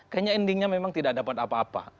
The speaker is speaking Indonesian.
kayaknya endingnya memang tidak dapat apa apa